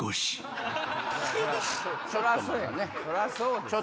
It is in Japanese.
そりゃそうよね。